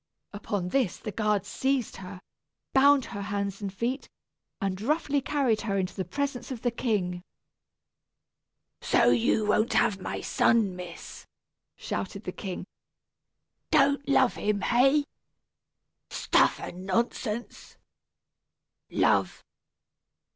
Upon this the guards seized her, bound her hands and feet, and roughly carried her into the presence of the king. "So you won't have my son, miss," shouted the king. "Don't love him, hey? Stuff and nonsense! Love!